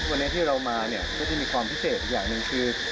วันนี้ที่เรามาเนี่ยก็จะมีความพิเศษอีกอย่างหนึ่งคือ